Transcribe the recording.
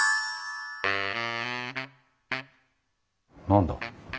何だ？